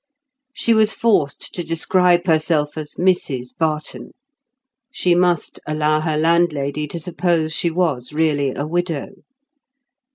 She was forced to describe herself as Mrs Barton; she must allow her landlady to suppose she was really a widow.